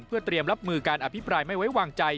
เพื่อเตรียมรับมือการอภิปรายไม่ไว้วางใจ